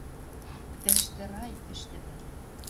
Тӹштӹ рай ӹштӹмӹ